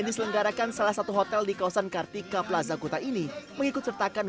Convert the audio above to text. diselenggarakan salah satu hotel di kawasan kartika plaza kuta ini mengikut sertakan